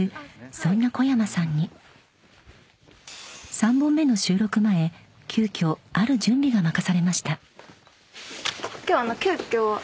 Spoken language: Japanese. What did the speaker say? そんな小山さんに３本目の収録前急きょある準備が任されました］